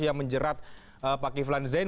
yang menjerat pak kiflan zain